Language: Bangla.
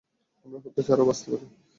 আমরা হত্যা ছাড়াও বাঁচতে পারি।